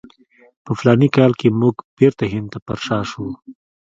په فلاني کال کې موږ بیرته هند ته پر شا شولو.